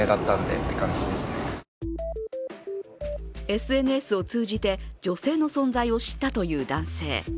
ＳＮＳを通じて女性の存在を知ったという男性。